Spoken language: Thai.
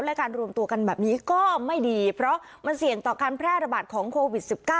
และการรวมตัวกันแบบนี้ก็ไม่ดีเพราะมันเสี่ยงต่อการแพร่ระบาดของโควิด๑๙